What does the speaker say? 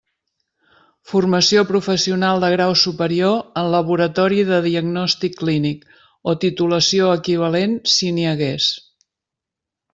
Formació Professional de grau superior en laboratori de diagnòstic clínic, o titulació equivalent si n'hi hagués.